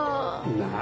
なあ。